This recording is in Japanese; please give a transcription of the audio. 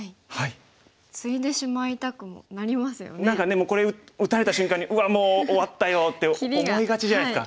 もうこれ打たれた瞬間に「うわっもう終わったよ」って思いがちじゃないですか。